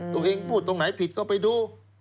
ตัวเองพูดตรงไหนผิดก็ไปดู